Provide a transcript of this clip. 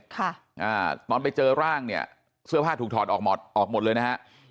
ตอนไปเจอร่างเนี่ยเสื้อผ้าถูกถอดออกหมดเลยนะฮะ